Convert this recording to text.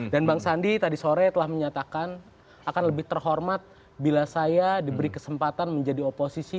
dan bang sandi tadi sore telah menyatakan akan lebih terhormat bila saya diberi kesempatan menjadi oposisi